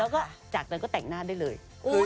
แล้วก็จากนั้นก็แต่งหน้าได้เลย